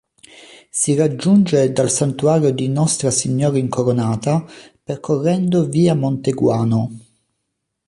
Si raggiunge dal Santuario di Nostra Signora Incoronata percorrendo via Monte Guano.